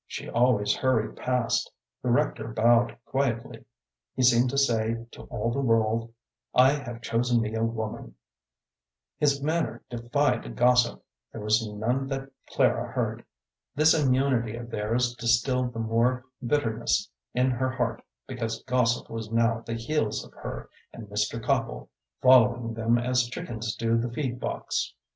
She always hurried past. The rector bowed quietly. He seemed to say to all the world, "I have chosen me a woman." His manner defied gossip; there was none that Clara heard. This immunity of theirs distilled the more bitterness in her heart because gossip was now at the heels of her and Mr. Copple, following them as chickens do the feed box.